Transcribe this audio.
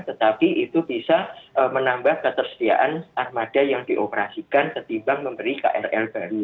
tetapi itu bisa menambah ketersediaan armada yang dioperasikan ketimbang memberi krl baru